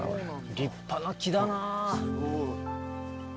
立派な木だな。